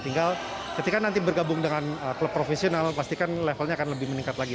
tinggal ketika nanti bergabung dengan klub profesional pasti kan levelnya akan lebih meningkat lagi